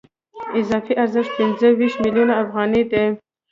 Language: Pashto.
اضافي ارزښت پنځه ویشت میلیونه افغانۍ دی